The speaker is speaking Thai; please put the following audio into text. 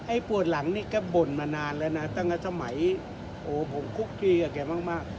ปวดหลังนี่แกบ่นมานานแล้วนะตั้งแต่สมัยโอ้ผมคุกคลีกับแกมาก